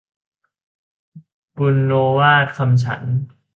บุณโณวาทคำฉันท์